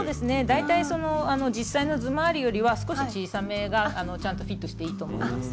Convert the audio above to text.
大体その実際の頭回りよりは少し小さめがちゃんとフィットしていいと思います。